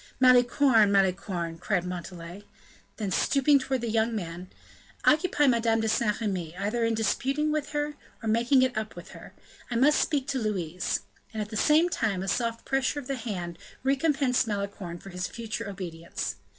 "Malicorne! Malicorne!" said Montalais. Then stooping towards the young man: "Occupy Madame de Saint Remy, either in disputing with her, or making it up with her; I must speak to Louise." And, at the same time, a soft pressure of the hand recompensed Malicorne for his future obedience.